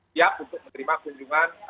siap untuk menerima kunjungan